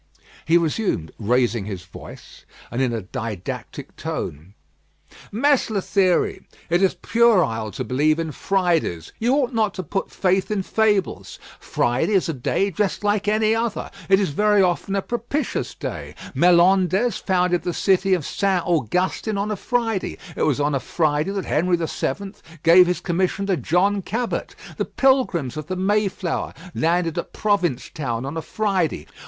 He resumed, raising his voice, and in a didactic tone: "Mess Lethierry, it is puerile to believe in Fridays. You ought not to put faith in fables. Friday is a day just like any other. It is very often a propitious day. Melendez founded the city of Saint Augustin on a Friday; it was on a Friday that Henry the Seventh gave his commission to John Cabot; the Pilgrims of the Mayflower landed at Province Town on a Friday.